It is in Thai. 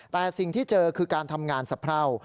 แต่สิ่งที่เจอคือการทำงานสะเพรา